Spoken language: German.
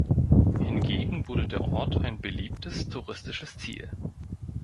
Hingegen wurde der Ort ein beliebtes touristisches Ziel.